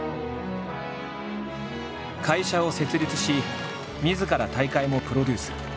会社を設立しみずから大会もプロデュース。